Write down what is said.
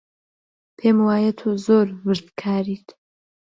پێم وایە تۆ زۆر وردکاریت.